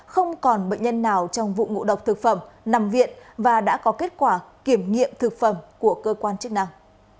không còn bệnh nhân nào trong vụ ngộ độc thực phẩm nằm viện và đã có kết quả kiểm nghiệm thực phẩm của cơ quan chức năng